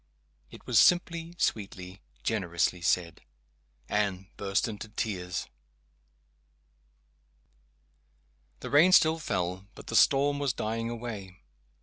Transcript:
It was simply, sweetly, generously said. Anne burst into tears. The rain still fell, but the storm was dying away.